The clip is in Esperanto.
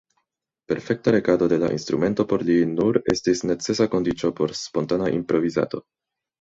Perfekta regado de la instrumento por li nur estis necesa kondiĉo por spontana improvizado.